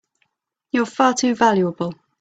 You're far too valuable!